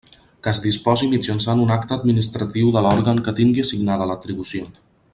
Que es disposi mitjançant un acte administratiu de l'òrgan que tingui assignada l'atribució.